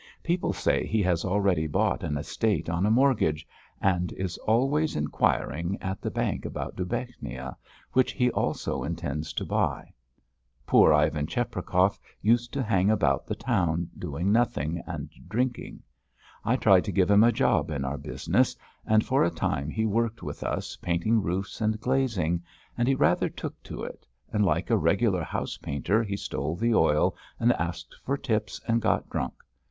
People say he has already bought an estate on a mortgage, and is always inquiring at the bank about Dubechnia, which he also intends to buy. Poor Ivan Cheprakov used to hang about the town, doing nothing and drinking. I tried to give him a job in our business, and for a time he worked with us painting roofs and glazing, and he rather took to it, and, like a regular house painter, he stole the oil, and asked for tips, and got drunk.